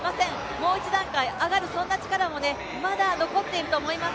もう一段階上がる、そんな力もまだ残っていると思います。